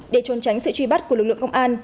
để trôn tránh sự truy bắt của lực lượng công an